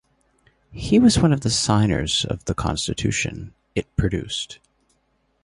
He was one of the signers of the constitution it produced.